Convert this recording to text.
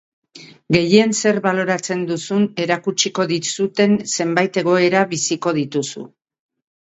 Gehien zer baloratzen duzun erakutsiko dizuten zenbait egoera biziko dituzu.